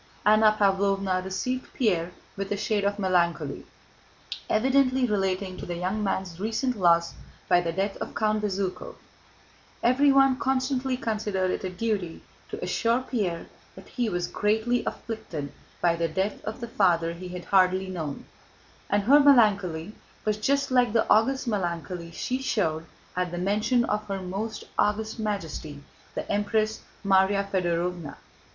Anna Pávlovna received Pierre with a shade of melancholy, evidently relating to the young man's recent loss by the death of Count Bezúkhov (everyone constantly considered it a duty to assure Pierre that he was greatly afflicted by the death of the father he had hardly known), and her melancholy was just like the august melancholy she showed at the mention of her most august Majesty the Empress Márya Fëdorovna.